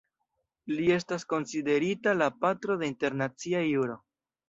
Li estas konsiderita la "patro de internacia juro".